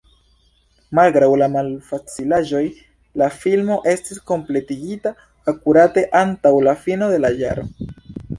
Malgraŭ la malfacilaĵoj, la filmo estis kompletigita akurate antaŭ la fino de la jaro.